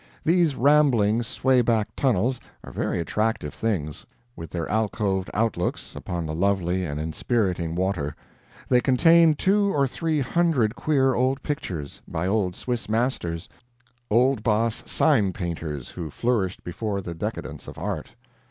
These rambling, sway backed tunnels are very attractive things, with their alcoved outlooks upon the lovely and inspiriting water. They contain two or three hundred queer old pictures, by old Swiss masters old boss sign painters, who flourished before the decadence of art.